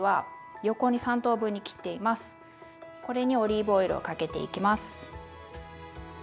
これにオリーブオイルをかけていきます。